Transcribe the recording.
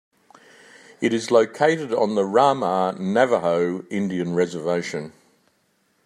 It is located on the Ramah Navajo Indian Reservation.